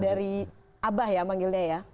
dari abah ya manggilnya ya